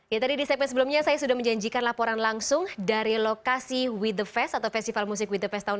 ya tadi di step nya sebelumnya saya sudah menjanjikan laporan langsung dari lokasi we the fest atau festival musik we the fest tahunan